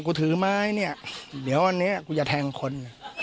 กูถือไม้เนี่ยเดี๋ยววันนี้กูจะแทงคน